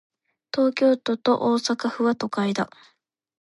東京都と大阪府は、都会だ。